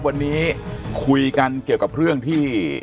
วันนี้กรุงความคุยกันเกี่ยวกับเรื่องที่